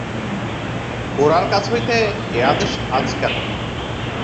গোরার কাছ হইতে এ আদেশ আজ কেন?